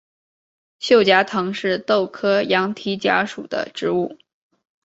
锈荚藤是豆科羊蹄甲属的植物。